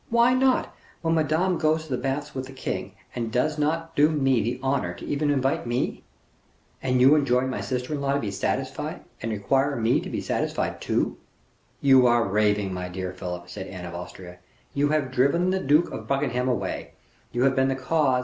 Why not, when Madame goes to the baths with the king, and does not do me the honor to even invite me? And you enjoin my sister in law to be satisfied, and require me to be satisfied, too." "You are raving, my dear Philip," said Anne of Austria; "you have driven the Duke of Buckingham away; you have been the cause of M.